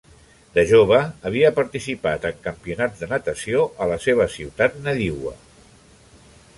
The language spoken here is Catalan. De jove havia participat en campionats de natació a la seva ciutat nadiua.